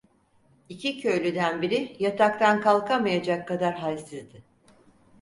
İki köylüden biri yataktan kalkamayacak kadar halsizdi.